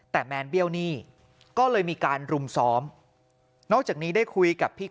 แต่แมนเบี้ยวหนี้ก็เลยมีการรุมซ้อมนอกจากนี้ได้คุยกับพี่